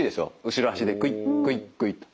後ろ足でクイックイックイッと。